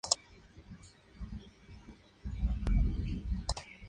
Esta población se encuentra en un volcán extinto.